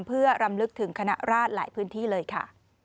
เพื่อรำลึกถึงคณะราชหลายพื้นที่เลยค่ะ